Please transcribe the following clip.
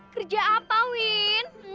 kerja apa win